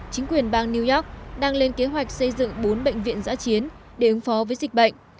chính quyền bang new york đang lên kế hoạch xây dựng bốn bệnh viện giã chiến để ứng phó với dịch bệnh